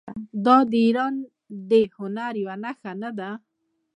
دا د ایران د هنر یوه نښه ده.